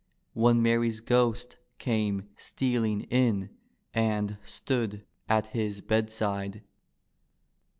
When Mary's ghost came stealing in, And stood at his bedside.